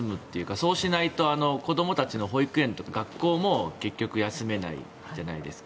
そうしないと子どもたちの保育園とか学校も結局休めないじゃないですか。